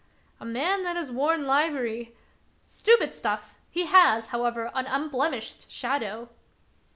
"A man that has worn livery" —" Stupid stuff ! he has, however, an unblemished shadow."